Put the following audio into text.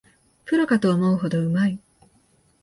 プロかと思うほどうまい